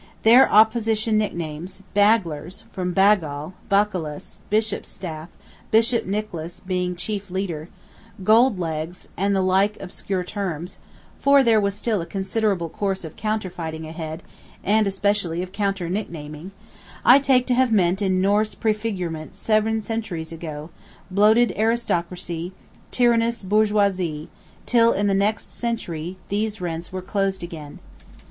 Their opposition nicknames, "Baglers (from Bagall, baculus, bishop's staff; Bishop Nicholas being chief Leader)," "Gold legs," and the like obscure terms (for there was still a considerable course of counter fighting ahead, and especially of counter nicknaming), I take to have meant in Norse prefigurement seven centuries ago, "bloated Aristocracy," "tyrannous Bourgeoisie," till, in the next century, these rents were closed again!